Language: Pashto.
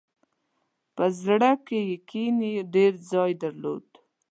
په زړه کې یې کینې ډېر ځای درلود.